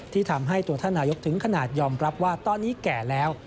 ที่ทำให้ตัวท่านนายกถึงขนาดยอมรับว่าตอนนี้แก่แล้ว